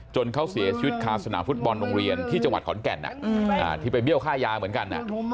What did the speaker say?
เขาเสียชีวิตคาสนามฟุตบอลโรงเรียนที่จังหวัดขอนแก่นที่ไปเบี้ยวค่ายาเหมือนกัน